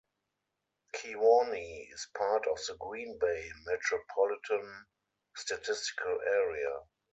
Kewaunee is part of the Green Bay Metropolitan Statistical Area.